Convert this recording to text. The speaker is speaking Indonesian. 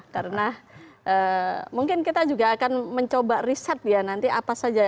karena mungkin kita juga akan mencoba riset ya nanti apa saja